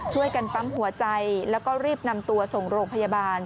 ช่วยกันปั๊มหัวใจแล้วก็รีบนำตัวส่งโรงพยาบาล